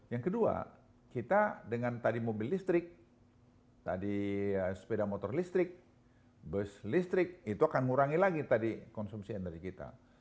yang kedua kita dengan tadi mobil listrik tadi sepeda motor listrik bus listrik itu akan ngurangi lagi tadi konsumsi energi kita